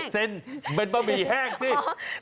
เซ็นเป็นบะหมี่แห้งสิ